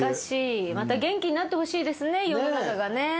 また元気になってほしいですね